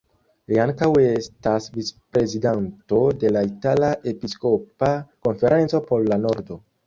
Li ankaŭ estas vic-prezidanto de la Itala Episkopa Konferenco por la Nordo.